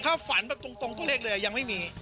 ถ้าฝันแบบตรงตัวเลขเลยยังไม่มี